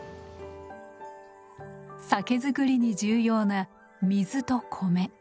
酒造りに重要な水と米。